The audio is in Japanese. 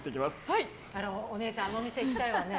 あら、お姉さんあの店行きたいわね。